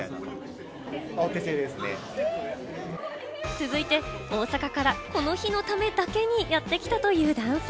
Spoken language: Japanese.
続いて大阪からこの日のためだけにやってきたという男性。